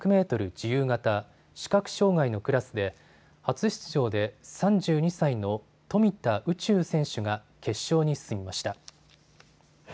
自由形視覚障害のクラスで初出場で３２歳の富田宇宙選手が決勝に進みました。